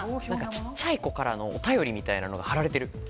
ちっちゃい子からのお便りみたいなのが貼られてる。